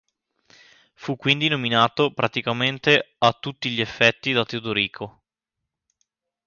Fu quindi nominato "praticamente a tutti gli effetti" da Teodorico.